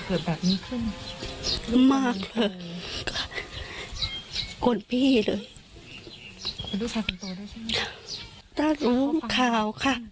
เกิดแบบนี้ขึ้นมากเลยคนพี่เลยลูกค้าของตัวได้ใช่ไหมถ้ารู้ข่าวค่ะ